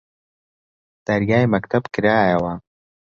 دەرگای مەکتەب کرایەوە